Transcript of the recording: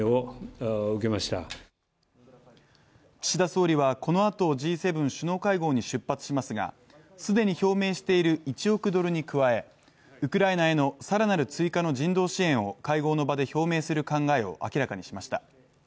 岸田総理はこのあとＧ７首脳会合に出発しますが既に表明している１億ドルに加えウクライナへの更なる追加の人道支援を会合の場で表明する考えを明らかにしました。